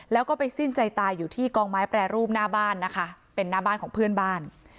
แล้วก็ไปสิ้นใจตายอยู่ที่กองไม้แปรรูปหน้าบ้านนะคะเป็นหน้าบ้านของเพื่อนบ้าน